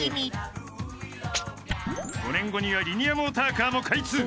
［５年後にはリニアモーターカーも開通］